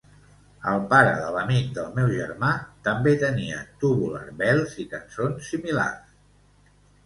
El pare de l'amic del meu germà també tenia "Tubular Bells" i cançons similars.